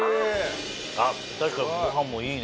あっ確かにご飯もいいね！